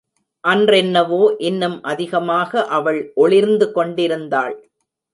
அன்றென்னவோ, இன்னும் அதிகமாக அவள் ஒளிர்ந்து கொண்டிருந்தாள்.